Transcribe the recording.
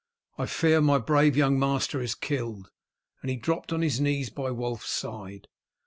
I fear my brave young master is killed!" and he dropped on his knees by Wulf's side.